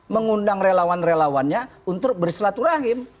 mengundang relawan relawannya untuk bersilaturahim